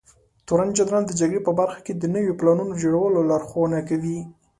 تورنجنرال د جګړې په برخه کې د نويو پلانونو جوړولو لارښونه کوي.